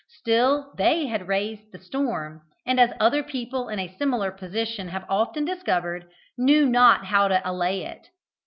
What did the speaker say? Still, they had raised the storm, and, as other people in a similar position have often discovered, knew not how to allay it.